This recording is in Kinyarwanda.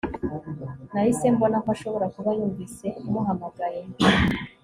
Nahise mbona ko ashobora kuba yumvise muhamagaye